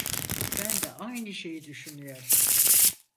Ben de aynı şeyi düşünüyordum.